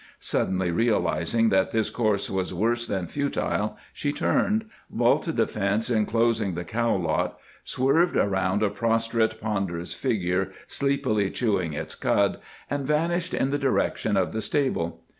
Suddenly realizing that this course was worse than futile, she turned, vaulted the fence enclosing the cow lot, swerved around a prostrate, ponderous figure sleepily chewing its cud, and vanished in the direction of the stable.